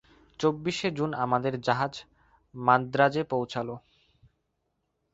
চব্বিশে জুন রাত্রে আমাদের জাহাজ মান্দ্রাজে পৌঁছাল।